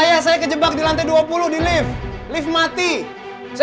ya allah kejadian lagi lift macet